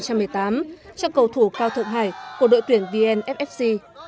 cho cầu thủ cao thượng hải của đội tuyển vnfc